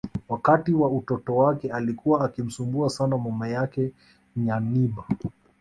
Wakati wa utoto wake alikuwa akimsumbua sana mama yake Nyanibah